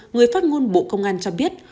người phát ngôn bộ công an cho biết